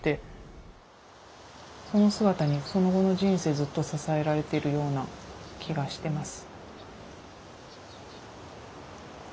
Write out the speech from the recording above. その姿にその後の人生ずっと支えられてるような気がしてます。